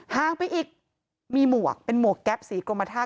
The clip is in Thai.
ห่างไปอีกมีหมวกเป็นหมวกแก๊ปสีกรมธาตุ